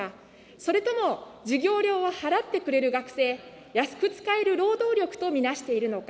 それとも、授業料を払ってくれる学生、安く使える労働力と見なしているのか。